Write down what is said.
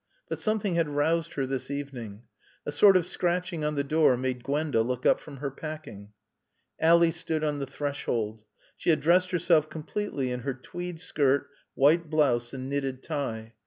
But something had roused her this evening. A sort of scratching on the door made Gwenda look up from her packing. Ally stood on the threshold. She had dressed herself completely in her tweed skirt, white blouse and knitted tie.